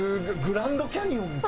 グランド・キャニオンみたい。